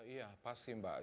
iya pasti mbak